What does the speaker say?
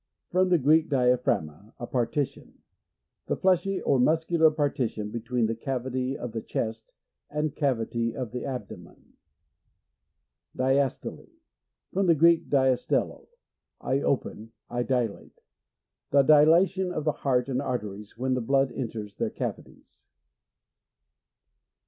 — From the Gieek, dia pkragma, a partition. The fleshy or muscular partition, between the cavity of the chest and cavity of the abdomen. Diastole. — From the Greek, dias tello, I open, I dilate. The dilatation of the heart and arteries when the blood enters their cavities.